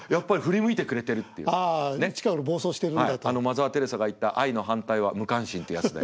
あのマザー・テレサが言った「愛の反対は無関心」ってやつで。